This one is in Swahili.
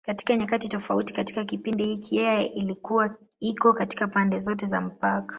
Katika nyakati tofauti katika kipindi hiki, yeye ilikuwa iko katika pande zote za mpaka.